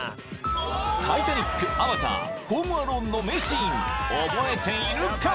「タイタニック」「アバター」「ホーム・アローン」の名シーン覚えているか？